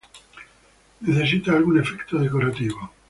Necesita algún efecto decorativo.